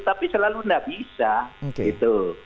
tapi selalu tidak bisa gitu